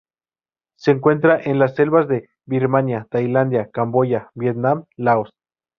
Se encuentra en las selvas de Birmania, Tailandia, Camboya, Vietnam, Laos.